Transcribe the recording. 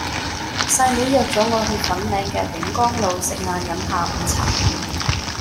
細妹約左我去粉嶺嘅丙岡路食晏飲下午茶